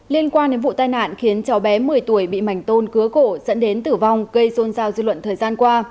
liên quan đến vụ tai nạn khiến cháu bé một mươi tuổi bị mảnh tôn cớ cổ dẫn đến tử vong gây xôn xao dư luận thời gian qua